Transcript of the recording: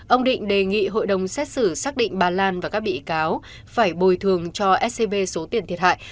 ông định đề nghị hội đồng xét xử xác định bà lan và các bị cáo phải bồi thường cho scb số tiền thiệt hại